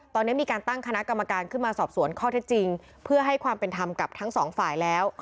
ตอนนี้มีการตั้งคณะกรรมการขึ้นมาสอบสวนข้อเท็จจริงเพื่อให้ความเป็นธรรมกับทั้งสองฝ่ายแล้ว